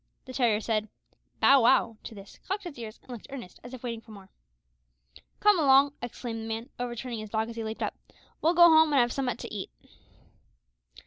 The terrier said "Bow wow" to this, cocked its ears, and looked earnest, as if waiting for more. "Come along," exclaimed the man, overturning his dog as he leaped up, "we'll go home and have summat to eat."